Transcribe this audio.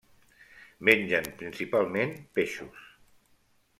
Mengen principalment peixos.